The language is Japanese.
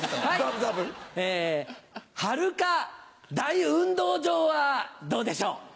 はるか大運動場はどうでしょう？